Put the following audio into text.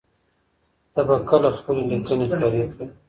ته به کله خپلي ليکنې خپرې کړې؟